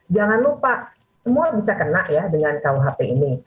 jangan lupa semua bisa kena ya dengan kuhp ini